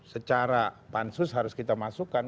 secara pansus harus kita masukkan